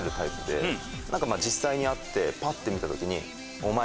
実際に会ってパッて見た時に。